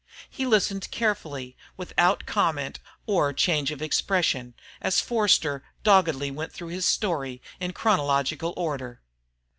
He listened carefully, without comment or change of expression, as Forster doggedly went through his story in chronological order.